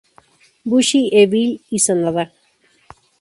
Bushi, Evil y Sanada.